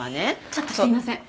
ちょっとすいません。